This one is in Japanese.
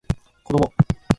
こども